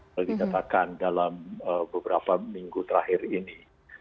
bagi katakan dalam beberapa minggu terakhir ini